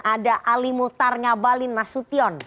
ada alimu tarnabalin nasution